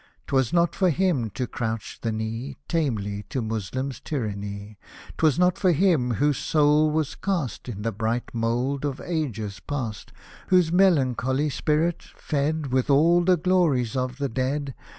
'Twas not for him to crouch the knee Tamely to Moslem tyranny ; 'Twas not for him, whose soul was cast In the bright mould of ages past, Whose melancholy spirit, fed With all the glories of the dead.